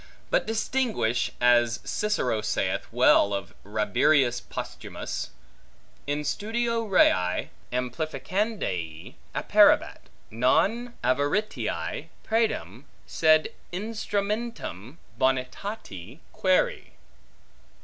But distinguish, as Cicero saith well of Rabirius Posthumus, In studio rei amplificandae apparebat, non avaritiae praedam, sed instrumentum bonitati quaeri.